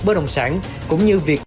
bất động sản cũng như việc